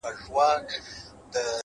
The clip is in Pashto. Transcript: وخت د ضایع شوو فرصتونو شاهد وي؛